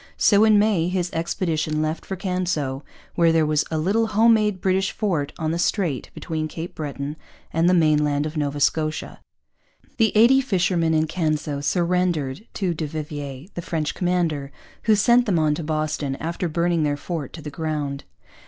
So in May his expedition left for Canso, where there was a little home made British fort on the strait between Cape Breton and the mainland of Nova Scotia. The eighty fishermen in Canso surrendered to du Vivier, the French commander, who sent them on to Boston, after burning their fort to the ground.